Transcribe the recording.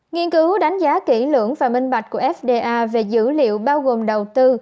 nghiên cứu đánh giá kỹ lưỡng và minh bạch của fda về dữ liệu bao gồm đầu tư